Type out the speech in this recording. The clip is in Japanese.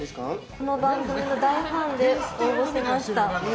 この番組の大ファンで応募しました。